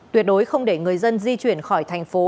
tuyệt đối không để người dân di chuyển khỏi thành phố